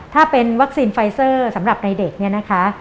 ถ้าเป็นวัคซีนไฟเซอร์สำหรับในเด็กเนี่ยนะคะ